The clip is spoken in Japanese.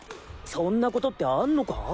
そんなことってあんのか？